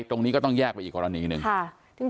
ตรงนี้ก็ต้องแยกไปอีกกรณีหนึ่ง